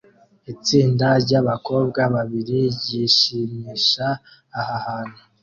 Itsinda ryabakobwa babiri ryishimisha aha hantu